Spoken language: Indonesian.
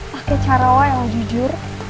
pake caralah yang jujur